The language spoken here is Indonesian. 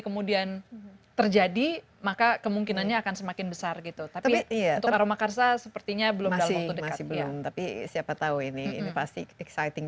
benar gitu tapi untuk aroma karsa sepertinya belum masih belum tapi siapa tahu ini ini pasti exciting